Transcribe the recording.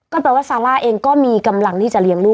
ก็แปลว่าซาร่าเองก็มีกำลังที่จะเลี้ยงลูก